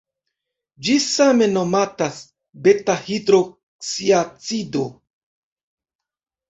Ĝi same nomatas beta-hidroksiacido.